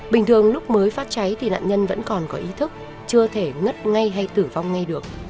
bình thường lúc mới phát cháy thì nạn nhân vẫn còn có ý thức chưa thể ngất ngay hay tử vong ngay được